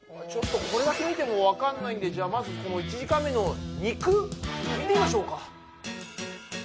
ちょっとこれだけ見てもわかんないんでじゃまず１時間目の「肉」見てみましょうか。